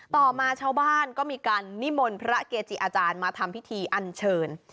ต่อมาชาวบ้านก็มีการนิมนต์พระเกจิอาจารย์มาทำพิธีอันเชิญ